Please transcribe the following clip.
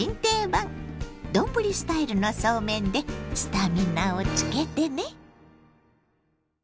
丼スタイルのそうめんでスタミナをつけてね。